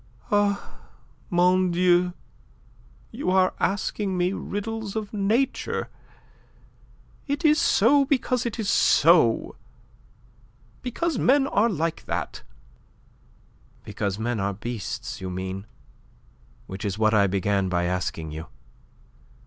"Ah, mon Dieu, you are asking me riddles of nature. It is so because it is so. Because men are like that." "Because men are beasts, you mean which is what I began by asking you."